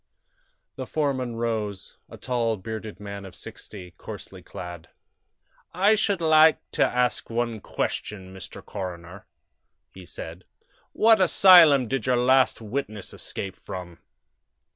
The foreman rose a tall, bearded man of sixty, coarsely clad. "I should like to ask one question, Mr. Coroner," he said. "What asylum did this yer last witness escape from?"